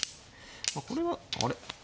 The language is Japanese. これはあれ？